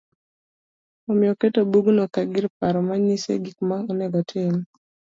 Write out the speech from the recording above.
Omiyo oketo bugno kagir paro manyise gikma onego otim